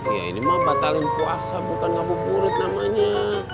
ya ini mah batalin puasa bukan ngabuburit namanya